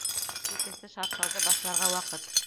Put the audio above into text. Икенсе шаршауҙы башларға ваҡыт!